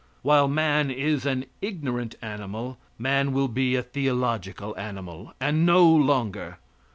While man is an ignorant animal man will be a theological animal, and no longer.